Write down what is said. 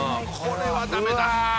これはダメだ。